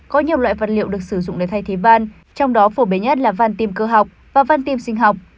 có nhiều loại vật liệu được sử dụng để thay thế van trong đó phổ biến nhất là van tim cơ học và van tim sinh học